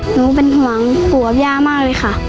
หนูเป็นห่วงปู่กับย่ามากเลยค่ะ